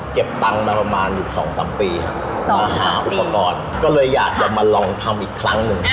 เก็บตังค์มาประมาณอยู่สองสามปีครับมาหาอุปกรณ์ก็เลยอยากจะมาลองทำอีกครั้งหนึ่ง